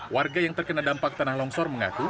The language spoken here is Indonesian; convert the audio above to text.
warga yang terkena dampak tanah longsor mengaku